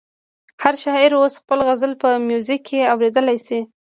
هر شاعر اوس خپل غزل په میوزیک کې اورېدلی شي.